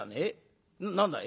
何だい？